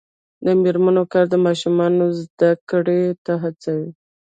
د میرمنو کار د ماشومانو زدکړې ته هڅوي.